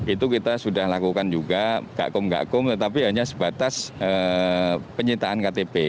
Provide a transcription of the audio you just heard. itu kita sudah lakukan juga gakum gakum tetapi hanya sebatas penyitaan ktp